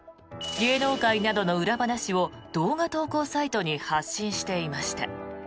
芸能界などの裏話を動画投稿サイトに発信していました。